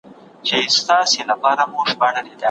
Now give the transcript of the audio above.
ټیکنالوژي د زده کړې لګښتونه خورا راکم کړي دي.